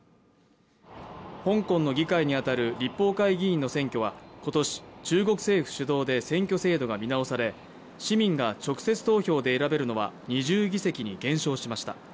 香港の議会に当たる立法会議員選挙は、今年、中国政府主導で選挙制度が見直され市民が直接投票で選べるのは２０議席に減少しました。